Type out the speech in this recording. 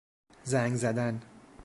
زنگ زدن